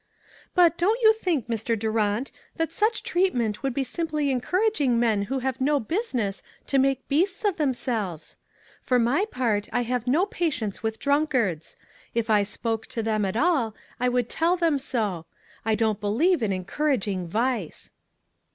" But, don't you think, Mr. Durant, that such treatment would be simpty encouraging men who have no business to make beasts of themselves? For my part, I have no patience with drunkards. If I spoke to them at all, I would tell them so. I don't believe in encouraging vice."